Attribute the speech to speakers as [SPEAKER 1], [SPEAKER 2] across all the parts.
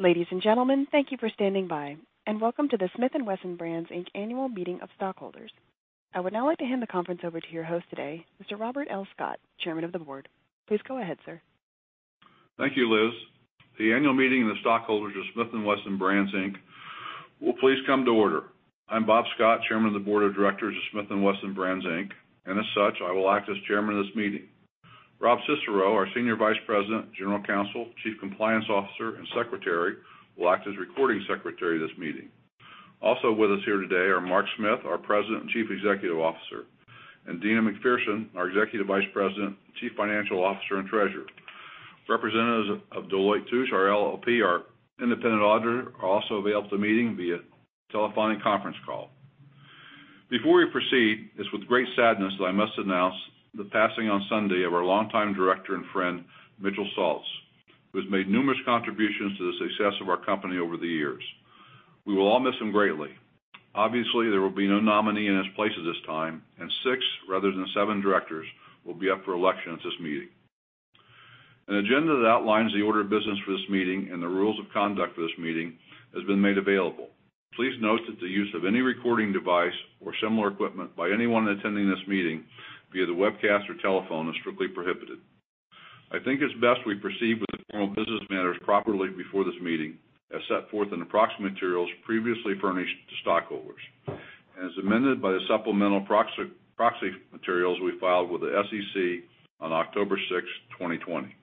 [SPEAKER 1] Ladies and gentlemen, thank you for standing by, and welcome to the Smith & Wesson Brands, Inc. Annual Meeting of Stockholders. I would now like to hand the conference over to your host today, Mr. Robert L. Scott, Chairman of the Board. Please go ahead, sir.
[SPEAKER 2] Thank you, Liz. The Annual Meeting of the Stockholders of Smith & Wesson Brands, Inc. will please come to order. I'm Bob Scott, Chairman of the Board of Directors of Smith & Wesson Brands, Inc., and as such, I will act as Chairman of this meeting. Rob Cicero, our Senior Vice President, General Counsel, Chief Compliance Officer, and Secretary, will act as Recording Secretary of this meeting. Also with us here today are Mark Smith, our President and Chief Executive Officer, and Deana McPherson, our Executive Vice President, Chief Financial Officer, and Treasurer. Representatives of Deloitte & Touche LLP, our independent auditors, are also available to the meeting via telephone and conference call. Before we proceed, it's with great sadness that I must announce the passing on Sunday of our longtime director and friend, Mitchell Saltz, who has made numerous contributions to the success of our company over the years. We will all miss him greatly. Obviously, there will be no nominee in his place at this time, and six rather than seven directors will be up for election at this meeting. An agenda that outlines the order of business for this meeting and the rules of conduct for this meeting has been made available. Please note that the use of any recording device or similar equipment by anyone attending this meeting via the webcast or telephone is strictly prohibited. I think it's best we proceed with the formal business matters properly before this meeting, as set forth in the proxy materials previously furnished to stockholders, and as amended by the supplemental proxy materials we filed with the SEC on October 6, 2020.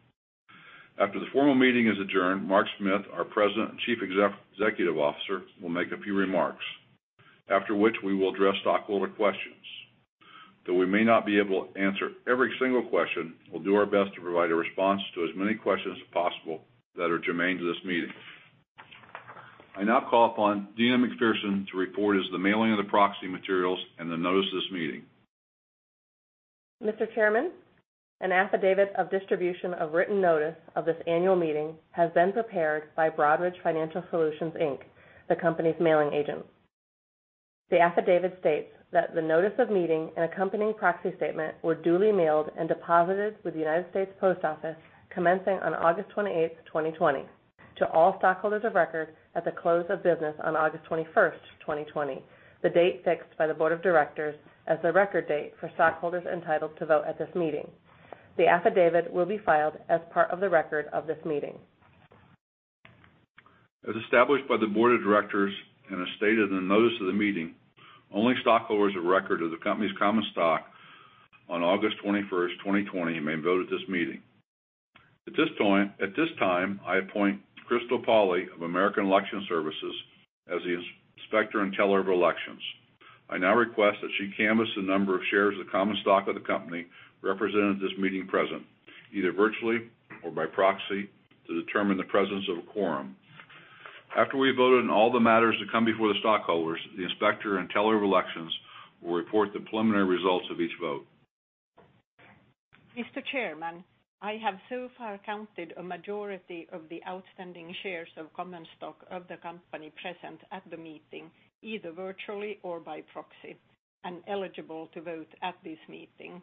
[SPEAKER 2] After the formal meeting is adjourned, Mark Smith, our President and Chief Executive Officer, will make a few remarks, after which we will address stockholder questions. Though we may not be able to answer every single question, we'll do our best to provide a response to as many questions as possible that are germane to this meeting. I now call upon Deana McPherson to report as the mailing of the proxy materials and the notice of this meeting.
[SPEAKER 3] Mr. Chairman, an affidavit of distribution of written notice of this Annual Meeting has been prepared by Broadridge Financial Solutions, Inc., the company's mailing agent. The affidavit states that the notice of meeting and accompanying proxy statement were duly mailed and deposited with the United States Post Office, commencing on August 28, 2020, to all stockholders of record at the close of business on August 21, 2020, the date fixed by the Board of Directors as the record date for stockholders entitled to vote at this meeting. The affidavit will be filed as part of the record of this meeting.
[SPEAKER 2] As established by the Board of Directors and as stated in the notice of the meeting, only stockholders of record of the company's common stock on August 21, 2020, may vote at this meeting. At this time, I appoint Crystal Polley of American Election Services as the Inspector and Teller of Elections. I now request that she canvass the number of shares of the common stock of the company represented at this meeting present, either virtually or by proxy, to determine the presence of a quorum. After we vote on all the matters that come before the stockholders, the Inspector and Teller of Elections will report the preliminary results of each vote.
[SPEAKER 4] Mr. Chairman, I have so far counted a majority of the outstanding shares of common stock of the company present at the meeting, either virtually or by proxy, and eligible to vote at this meeting.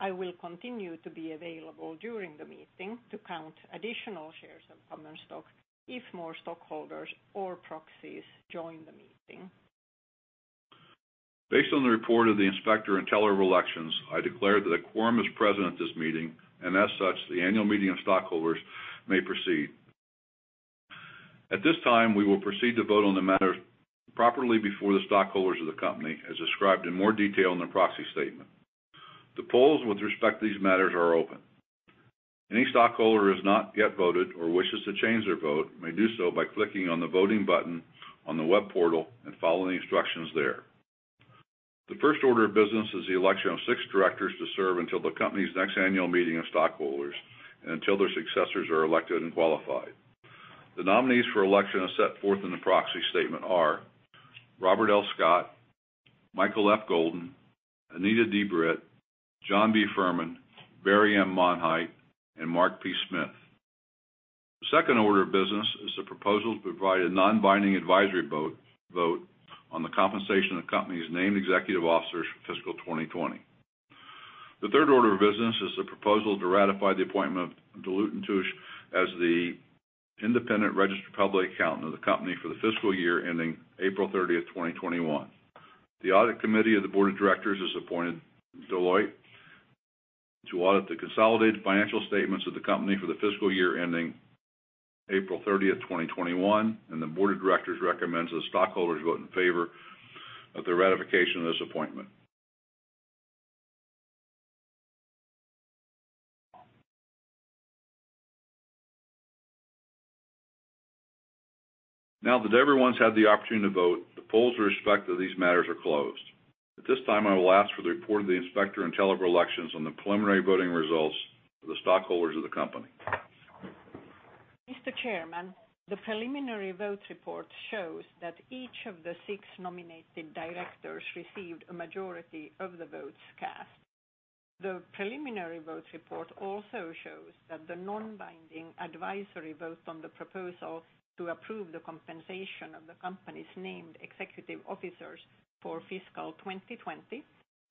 [SPEAKER 4] I will continue to be available during the meeting to count additional shares of common stock if more stockholders or proxies join the meeting.
[SPEAKER 2] Based on the report of the Inspector and Teller of Elections, I declare that a quorum is present at this meeting, and as such, the Annual Meeting of Stockholders may proceed. At this time, we will proceed to vote on the matters properly before the stockholders of the company, as described in more detail in the proxy statement. The polls with respect to these matters are open. Any stockholder who has not yet voted or wishes to change their vote may do so by clicking on the voting button on the web portal and following the instructions there. The first order of business is the election of six directors to serve until the company's next Annual Meeting of Stockholders and until their successors are elected and qualified. The nominees for election as set forth in the proxy statement are Robert L. Scott, Michael F. Golden, Anita D. Britt, John B. Furman, Barry M. Monheit, and Mark P. Smith. The second order of business is the proposal to provide a non-binding advisory vote on the compensation of the company's named executive officers for fiscal 2020. The third order of business is the proposal to ratify the appointment of Deloitte & Touche as the independent registered public accountant of the company for the fiscal year ending April 30, 2021. The Audit Committee of the Board of Directors has appointed Deloitte to audit the consolidated financial statements of the company for the fiscal year ending April 30, 2021, and the Board of Directors recommends that stockholders vote in favor of the ratification of this appointment. Now that everyone's had the opportunity to vote, the polls with respect to these matters are closed. At this time, I will ask for the report of the Inspector and Teller of Elections on the preliminary voting results of the stockholders of the company.
[SPEAKER 4] Mr. Chairman, the preliminary vote report shows that each of the six nominated directors received a majority of the votes cast. The preliminary vote report also shows that the non-binding advisory vote on the proposal to approve the compensation of the company's named executive officers for fiscal 2020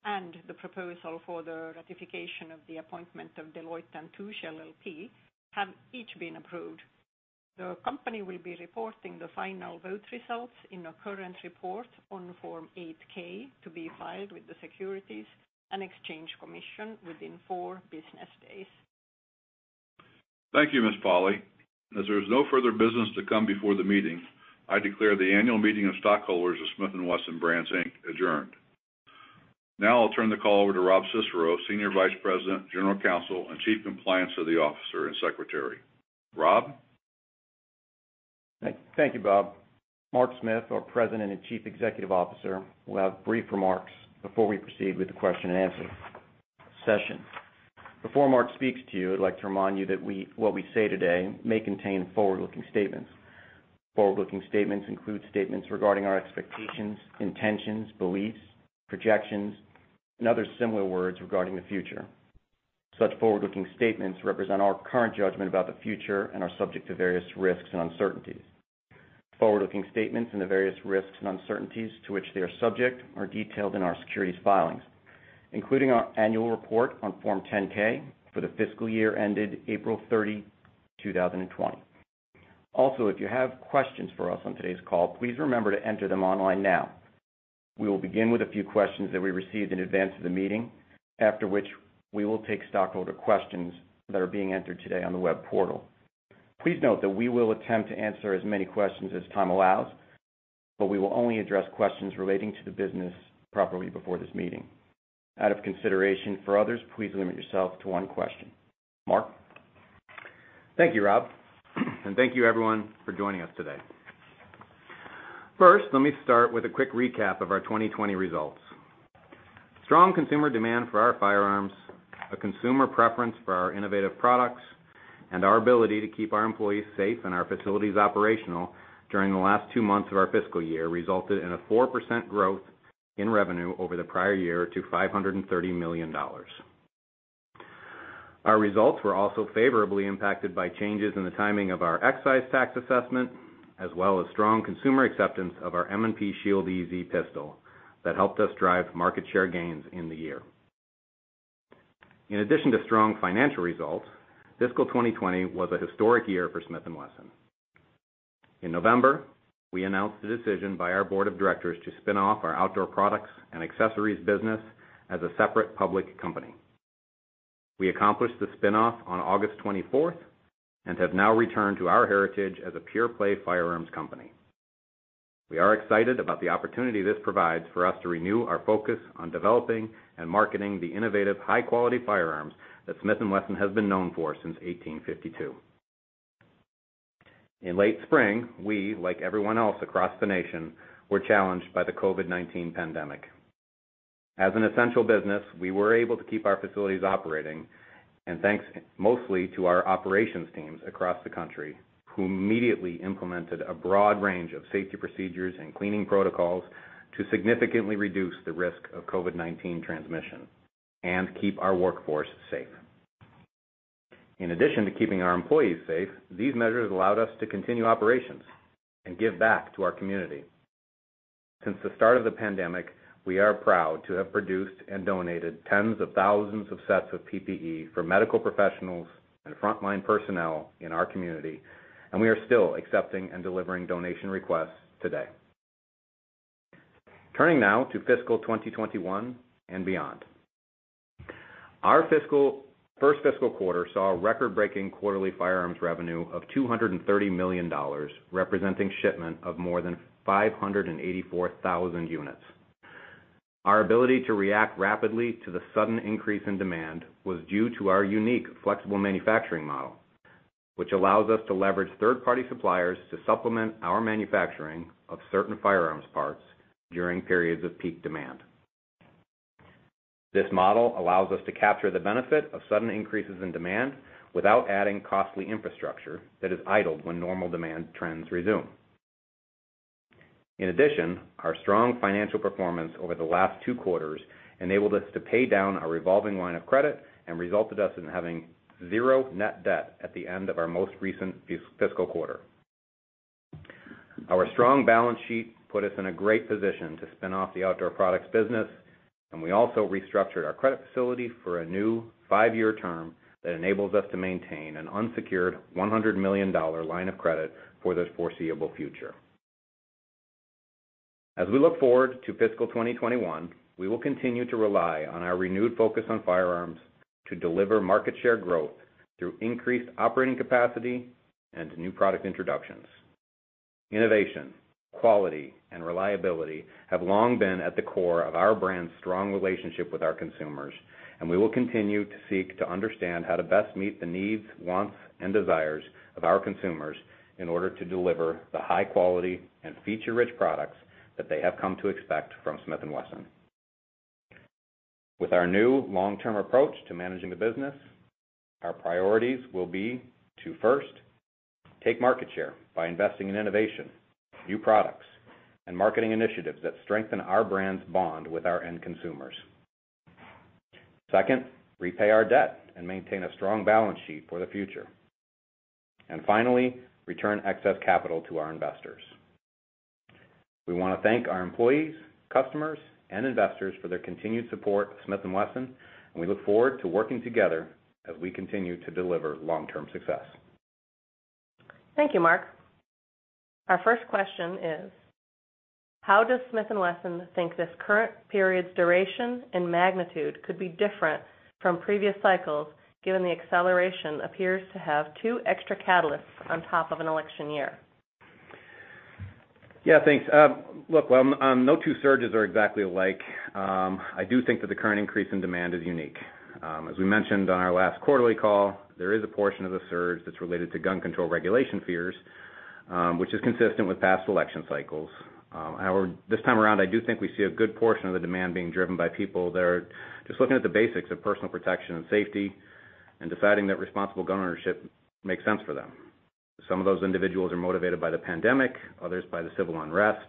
[SPEAKER 4] and the proposal for the ratification of the appointment of Deloitte & Touche LLP have each been approved. The company will be reporting the final vote results in a current report on Form 8-K to be filed with the Securities and Exchange Commission within four business days.
[SPEAKER 2] Thank you, Ms. Polley. As there is no further business to come before the meeting, I declare the Annual Meeting of Stockholders of Smith & Wesson Brands, Inc. adjourned. Now I'll turn the call over to Rob Cicero, Senior Vice President, General Counsel, and Chief Compliance Officer and Secretary. Rob?
[SPEAKER 5] Thank you, Bob. Mark Smith, our President and Chief Executive Officer, will have brief remarks before we proceed with the question and answer session. Before Mark speaks to you, I'd like to remind you that what we say today may contain forward-looking statements. Forward-looking statements include statements regarding our expectations, intentions, beliefs, projections, and other similar words regarding the future. Such forward-looking statements represent our current judgment about the future and are subject to various risks and uncertainties. Forward-looking statements and the various risks and uncertainties to which they are subject are detailed in our securities filings, including our Annual Report on Form 10-K for the fiscal year ended April 30, 2020. Also, if you have questions for us on today's call, please remember to enter them online now. We will begin with a few questions that we received in advance of the meeting, after which we will take stockholder questions that are being entered today on the web portal. Please note that we will attempt to answer as many questions as time allows, but we will only address questions relating to the business properly before this meeting. Out of consideration for others, please limit yourself to one question. Mark? Thank you, Rob, and thank you, everyone, for joining us today. First, let me start with a quick recap of our 2020 results. Strong consumer demand for our firearms, a consumer preference for our innovative products, and our ability to keep our employees safe and our facilities operational during the last two months of our fiscal year resulted in a 4% growth in revenue over the prior year to $530 million. Our results were also favorably impacted by changes in the timing of our excise tax assessment, as well as strong consumer acceptance of our M&P Shield EZ pistol that helped us drive market share gains in the year. In addition to strong financial results, fiscal 2020 was a historic year for Smith & Wesson. In November, we announced the decision by our Board of Directors to spin-off our outdoor products and accessories business as a separate public company. We accomplished the spin-off on August 24 and have now returned to our heritage as a pure-play firearms company. We are excited about the opportunity this provides for us to renew our focus on developing and marketing the innovative, high-quality firearms that Smith & Wesson has been known for since 1852. In late spring, we, like everyone else across the nation, were challenged by the COVID-19 pandemic. As an essential business, we were able to keep our facilities operating, and thanks mostly to our operations teams across the country, who immediately implemented a broad range of safety procedures and cleaning protocols to significantly reduce the risk of COVID-19 transmission and keep our workforce safe. In addition to keeping our employees safe, these measures allowed us to continue operations and give back to our community. Since the start of the pandemic, we are proud to have produced and donated tens of thousands of sets of PPE for medical professionals and frontline personnel in our community, and we are still accepting and delivering donation requests today. Turning now to fiscal 2021 and beyond, our first fiscal quarter saw a record-breaking quarterly firearms revenue of $230 million, representing shipment of more than 584,000 units. Our ability to react rapidly to the sudden increase in demand was due to our unique flexible manufacturing model, which allows us to leverage third-party suppliers to supplement our manufacturing of certain firearms parts during periods of peak demand. This model allows us to capture the benefit of sudden increases in demand without adding costly infrastructure that is idled when normal demand trends resume. In addition, our strong financial performance over the last two quarters enabled us to pay down our revolving line of credit and resulted us in having zero net debt at the end of our most recent fiscal quarter. Our strong balance sheet put us in a great position to spin-off the outdoor products business, and we also restructured our credit facility for a new five-year term that enables us to maintain an unsecured $100 million line of credit for the foreseeable future. As we look forward to fiscal 2021, we will continue to rely on our renewed focus on firearms to deliver market share growth through increased operating capacity and new product introductions. Innovation, quality, and reliability have long been at the core of our brand's strong relationship with our consumers, and we will continue to seek to understand how to best meet the needs, wants, and desires of our consumers in order to deliver the high-quality and feature-rich products that they have come to expect from Smith & Wesson. With our new long-term approach to managing the business, our priorities will be to, first, take market share by investing in innovation, new products, and marketing initiatives that strengthen our brand's bond with our end consumers. Second, repay our debt and maintain a strong balance sheet for the future. And finally, return excess capital to our investors. We want to thank our employees, customers, and investors for their continued support of Smith & Wesson, and we look forward to working together as we continue to deliver long-term success.
[SPEAKER 3] Thank you, Mark. Our first question is, how does Smith & Wesson think this current period's duration and magnitude could be different from previous cycles given the acceleration appears to have two extra catalysts on top of an election year?
[SPEAKER 5] Yeah, thanks. Look, no two surges are exactly alike. I do think that the current increase in demand is unique. As we mentioned on our last quarterly call, there is a portion of the surge that's related to gun control regulation fears, which is consistent with past election cycles. However, this time around, I do think we see a good portion of the demand being driven by people that are just looking at the basics of personal protection and safety and deciding that responsible gun ownership makes sense for them. Some of those individuals are motivated by the pandemic, others by the civil unrest.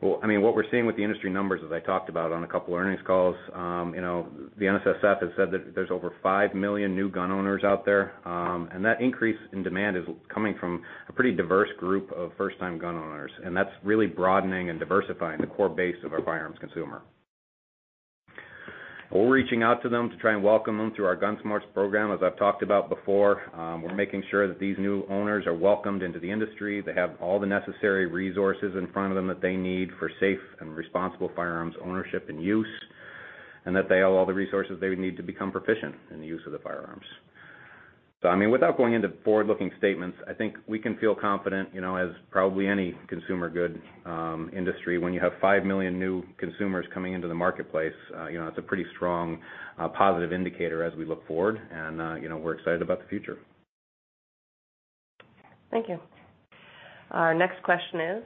[SPEAKER 5] Well, I mean, what we're seeing with the industry numbers, as I talked about on a couple of earnings calls, the NSSF has said that there's over 5 million new gun owners out there, and that increase in demand is coming from a pretty diverse group of first-time gun owners, and that's really broadening and diversifying the core base of our firearms consumer. We're reaching out to them to try and welcome them through our GUNSMARTS program. As I've talked about before, we're making sure that these new owners are welcomed into the industry, they have all the necessary resources in front of them that they need for safe and responsible firearms ownership and use, and that they have all the resources they would need to become proficient in the use of the firearms. So, I mean, without going into forward-looking statements, I think we can feel confident, as probably any consumer good industry, when you have 5 million new consumers coming into the marketplace, it's a pretty strong positive indicator as we look forward, and we're excited about the future.
[SPEAKER 3] Thank you. Our next question is,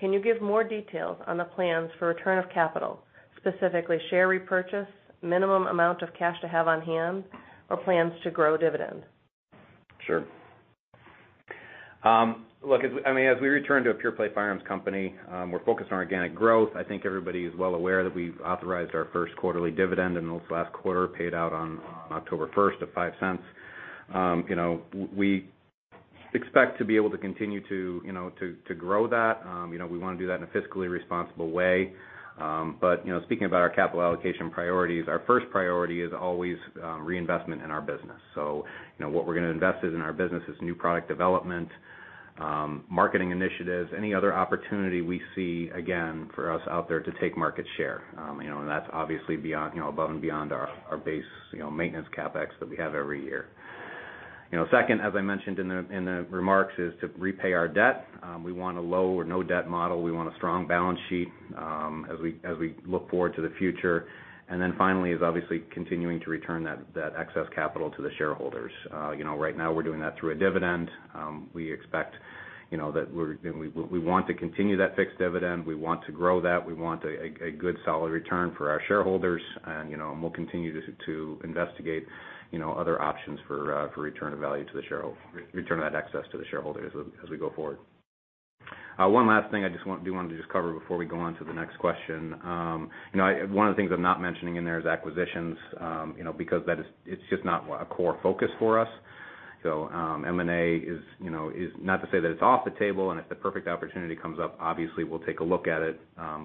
[SPEAKER 3] can you give more details on the plans for return of capital, specifically share repurchase, minimum amount of cash to have on hand, or plans to grow dividend?
[SPEAKER 5] Sure. Look, I mean, as we return to a pure-play firearms company, we're focused on organic growth. I think everybody is well aware that we've authorized our first quarterly dividend, and this last quarter paid out on October 1st of $0.05. We expect to be able to continue to grow that. We want to do that in a fiscally responsible way. But speaking about our capital allocation priorities, our first priority is always reinvestment in our business. So what we're going to invest in our business is new product development, marketing initiatives, any other opportunity we see, again, for us out there to take market share. And that's obviously above and beyond our base maintenance CapEx that we have every year. Second, as I mentioned in the remarks, is to repay our debt. We want a low or no debt model. We want a strong balance sheet as we look forward to the future. And then finally is obviously continuing to return that excess capital to the shareholders. Right now, we're doing that through a dividend. We expect that we want to continue that fixed dividend. We want to grow that. We want a good, solid return for our shareholders, and we'll continue to investigate other options for return of value to the shareholders, return of that excess to the shareholders as we go forward. One last thing I just wanted to just cover before we go on to the next question. One of the things I'm not mentioning in there is acquisitions because it's just not a core focus for us. So M&A is not to say that it's off the table, and if the perfect opportunity comes up, obviously we'll take a look at it,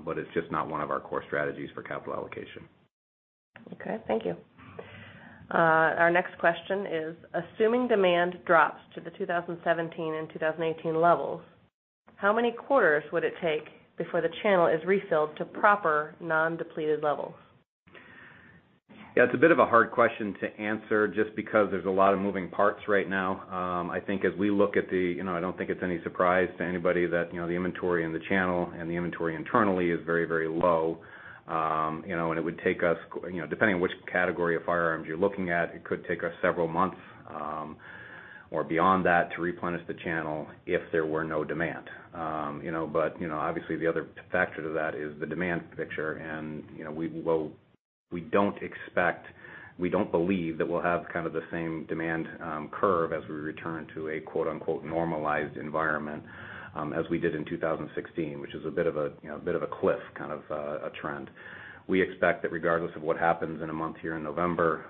[SPEAKER 5] but it's just not one of our core strategies for capital allocation.
[SPEAKER 3] Okay. Thank you. Our next question is, assuming demand drops to the 2017 and 2018 levels, how many quarters would it take before the channel is refilled to proper non-depleted levels?
[SPEAKER 5] Yeah, it's a bit of a hard question to answer just because there's a lot of moving parts right now. I think as we look at the—I don't think it's any surprise to anybody that the inventory in the channel and the inventory internally is very, very low, and it would take us, depending on which category of firearms you're looking at, it could take us several months or beyond that to replenish the channel if there were no demand. But obviously, the other factor to that is the demand picture, and we don't expect—we don't believe that we'll have kind of the same demand curve as we return to a "normalized" environment as we did in 2016, which is a bit of a cliff kind of a trend. We expect that regardless of what happens in a month here in November,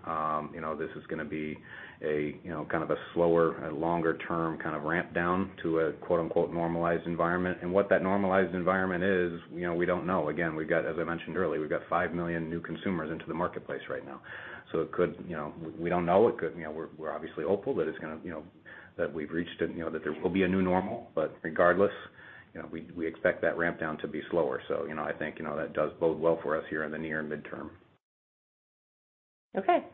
[SPEAKER 5] this is going to be a kind of a slower, longer-term kind of ramp down to a "normalized" environment. And what that normalized environment is, we don't know. Again, we've got, as I mentioned earlier, we've got 5 million new consumers into the marketplace right now. So it could, we don't know. We're obviously hopeful that it's going to, that we've reached it, that there will be a new normal. But regardless, we expect that ramp down to be slower. So I think that does bode well for us here in the near and midterm.
[SPEAKER 3] Okay.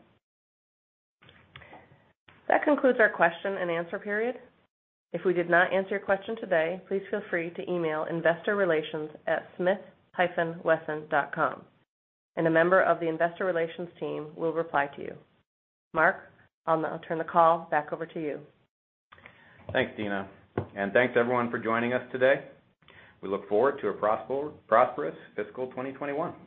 [SPEAKER 3] That concludes our question and answer period. If we did not answer your question today, please feel free to email investorrelations@smith-wesson.com, and a member of the investor relations team will reply to you. Mark, I'll turn the call back over to you.
[SPEAKER 5] Thanks, Deana, and thanks everyone for joining us today. We look forward to a prosperous fiscal 2021.